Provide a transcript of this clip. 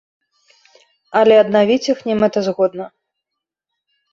Але аднавіць іх немэтазгодна.